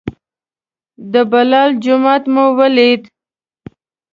د بلال جومات مو ولید.